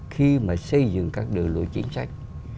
khi mà xây dựng các đường lưỡi chính sách